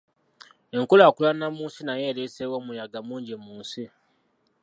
Enkulaakulana mu nsi nayo ereeseewo omuyaga mungi mu nsi